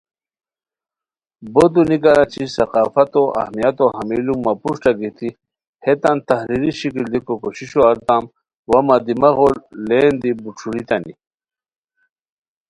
بو دونیکار اچی ثقافتو اہمیتو ہمی لو مہ پروشٹہ گیتی ہیتان تحریری شکل دیکو کوششو ارتام وا مہ دماغو لین دی بوݯھورتانی